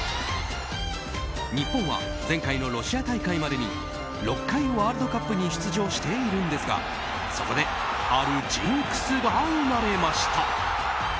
日本は前回のロシア大会までに６回、ワールドカップに出場しているんですがそこであるジンクスが生まれました。